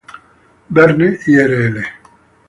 Verne, Irl.